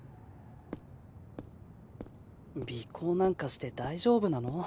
尾行なんかして大丈夫なの？